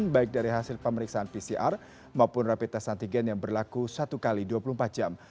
baik dari hasil pemeriksaan pcr maupun rapid test antigen yang berlaku satu x dua puluh empat jam